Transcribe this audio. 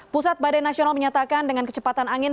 pusat badai nasional menyatakan dengan kecepatan angin